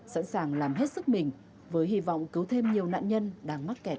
sẵn sàng làm hết sức mình với hy vọng cứu thêm nhiều nạn nhân đang mắc kẹt